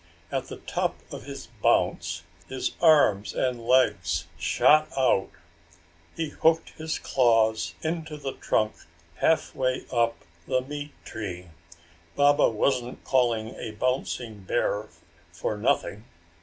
At the top of his bounce his arms and legs shot out; he hooked his claws into the trunk half way up the meat tree. Baba wasn't called a bouncing bear for nothing!